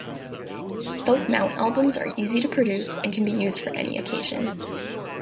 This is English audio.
Self-mount albums are easy to produce and can be used for any occasion.